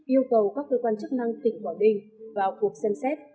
yêu cầu các cơ quan chức năng tỉnh quảng ninh vào cuộc xem xét